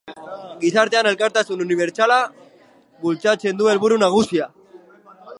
Gizartean elkartasun unibertsala bultzatzea du helburu nagusia.